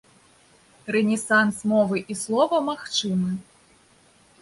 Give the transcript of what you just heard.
Рэнесанс мовы і слова магчымы.